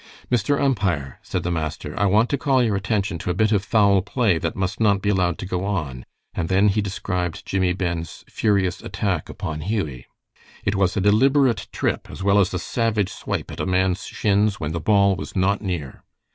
"Mr. Umpire," said the master, "I want to call your attention to a bit of foul play that must not be allowed to go on"; and then he described Jimmie Ben's furious attack upon Hughie. "It was a deliberate trip, as well as a savage swipe at a man's shins when the ball was not near."